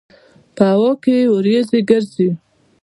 په هوا کې یې وريځې ګرځي.